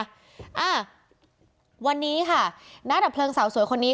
อ่าวันนี้ค่ะนักดับเพลิงสาวสวยคนนี้